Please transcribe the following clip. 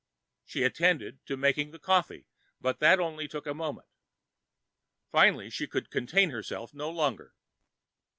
She attended to making the coffee, but that took only a moment. Finally she could contain herself no longer.